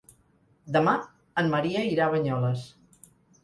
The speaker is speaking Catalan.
Demà en Maria irà a Banyoles.